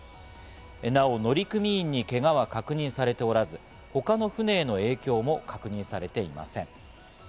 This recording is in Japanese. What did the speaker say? なお乗組員にけがは確認されておらず、他の船への影響も確認されていません。